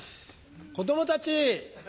子供たち！